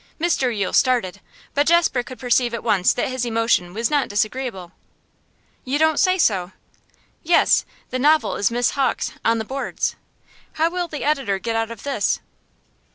Mr Yule started, but Jasper could perceive at once that his emotion was not disagreeable. 'You don't say so.' 'Yes. The novel is Miss Hawk's "On the Boards." How will the editor get out of this?